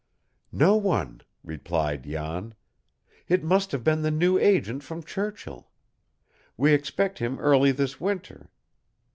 "No one," replied Jan. "It must have been the new agent from Churchill. We expect him early this winter.